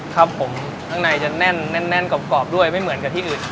ครับผมข้างในจะแน่นแน่นกรอบด้วยไม่เหมือนกับที่อื่น